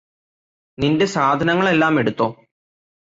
നിന്റെ സാധനങ്ങളെല്ലാമെടുത്തോ